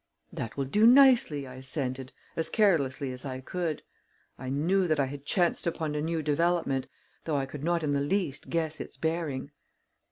"That will do nicely," I assented, as carelessly as I could. I knew that I had chanced upon a new development, though I could not in the least guess its bearing.